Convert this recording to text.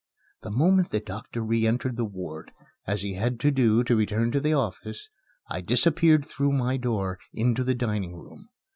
The moment the doctor re entered the ward, as he had to do to return to the office, I disappeared through my door into the dining room.